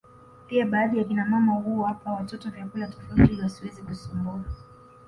pia baadhi ya kina mama huwapa watoto vyakula tofauti ili wasiweze kusumbua